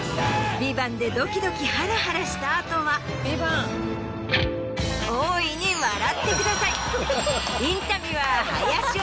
『ＶＩＶＡＮＴ』でドキドキハラハラした後は大いに笑ってください！